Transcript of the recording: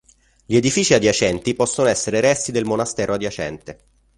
Gli edifici adiacenti possono essere resti del monastero adiacente.